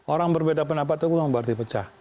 orang berbeda pendapat itu bukan berarti pecah